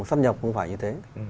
sát nhập không phải như thế